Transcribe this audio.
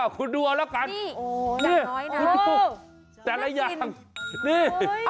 คุณดูเอาละกันนี่นี่นี่โอ้โหแต่ละอย่างนี่นี่นี่นี่นี่